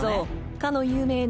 かの有名な］